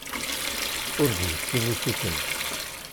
Ur d-yessi usuten.